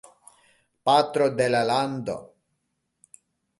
Patro de la Lando.